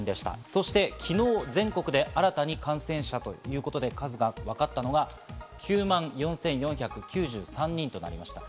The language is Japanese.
そして昨日、全国で新たに感染者ということで数がわかったのが９万４４９３人となりました。